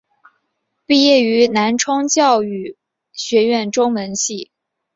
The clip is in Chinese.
毕业于南充教育学院中文系。